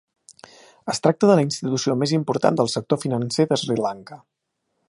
Es tracta de la institució més important del sector financer de Sri Lanka.